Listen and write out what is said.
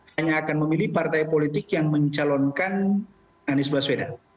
hanya akan memilih partai politik yang mencalonkan anies baswedan